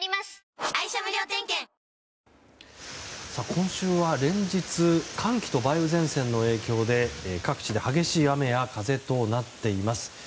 今週は連日寒気と梅雨前線の影響で各地で激しい雨や風となっています。